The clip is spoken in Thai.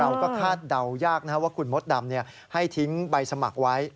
เราก็คาดเดายากนะครับว่าคุณมดดำให้ทิ้งใบสมัครไว้